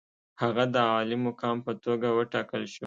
هغه د عالي مقام په توګه وټاکل شو.